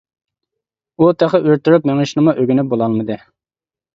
ئۇ تېخى ئۆرە تۇرۇپ مېڭىشنىمۇ ئۆگىنىپ بولالمىدى.